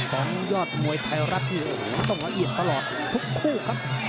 ของยอดมวยไทยรัฐที่ต้องละเอียดตลอดทุกคู่ครับ